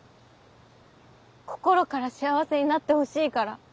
心から幸せになってほしいから。